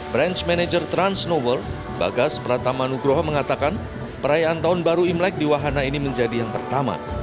branch manager transnoworld bagas pratamanugroha mengatakan perayaan tahun baru imlek di wahana ini menjadi yang pertama